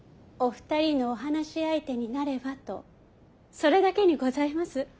お二人のお話し相手になればとそれだけにございます。